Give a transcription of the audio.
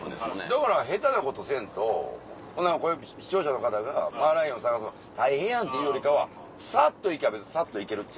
だから下手なことせんと視聴者の方がマーライオン探すの大変やんっていうよりかはサッと行きゃ別にサッと行ける。